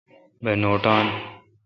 بہ نوٹان۔